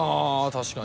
確かに。